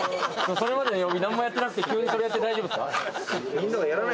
それまでに何もやってなくて急にそれやって大丈夫っすか？